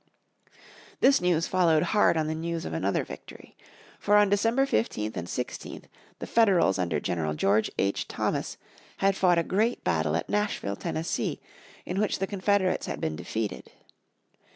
This news followed hard on the news of another victory. For on December 15th and 16th the Federals under General George H. Thomas had fought a great battle at Nashville, Tennessee, in which the Confederates had been defeated.